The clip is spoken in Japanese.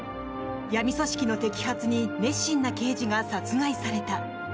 闇組織の摘発に熱心な刑事が殺害された。